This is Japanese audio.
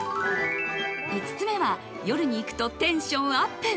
５つ目は、夜に行くとテンションアップ。